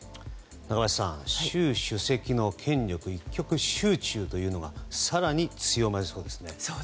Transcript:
中林さん、習主席の権力の一極集中ということが更に強まりそうですね。